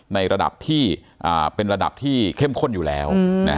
ในระดับที่เป็นระดับที่เข้มข้นอยู่แล้ว